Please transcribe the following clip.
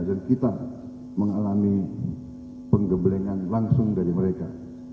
dan kita mengalami penggeblengan langsung dari mereka